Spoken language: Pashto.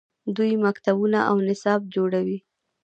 دوی مکتبونه او نصاب جوړوي.